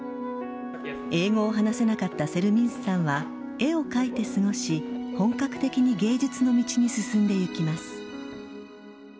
英語を話せなかったセルミンスさんは、絵を描いて過ごし、本格的に芸術の道に進んでいきます。